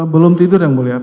belum tidur yang mulia